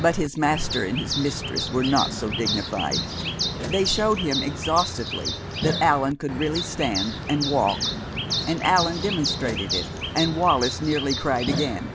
But his master and his mistress were not so dignified. They showed him exhaustively that Allan could really stand and walk, and Allan demonstrated it, and Wallis nearly cried again.